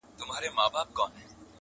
• غوايي هم وکړل پاچا ته سلامونه -